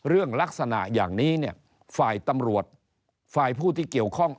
เรื่องลักษณะอย่างนี้เนี่ยฝ่ายตำรวจฝ่ายผู้ที่เกี่ยวข้อง